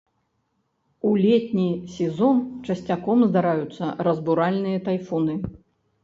У летні сезон часцяком здараюцца разбуральныя тайфуны.